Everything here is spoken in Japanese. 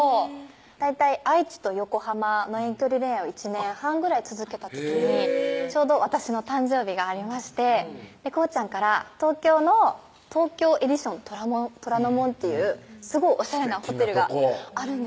大体愛知と横浜の遠距離恋愛を１年半ぐらい続けた時にちょうど私の誕生日がありまして航ちゃんから東京の東京エディション虎ノ門っていうすごいおしゃれなホテルがすてきなとこ